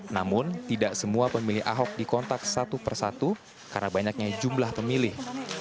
namun tidak semua pemilih ahok dikontak satu persatu karena banyaknya jumlah pemilih